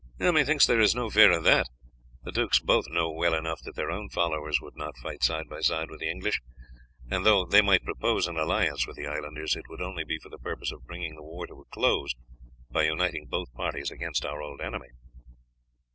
"Methinks that there is no fear of that. The dukes both know well enough that their own followers would not fight side by side with the English; and though they might propose an alliance with the Islanders, it would only be for the purpose of bringing the war to a close by uniting both parties against our old enemy."